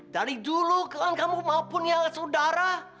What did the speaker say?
dari dulu kawan kamu maupun yang saudara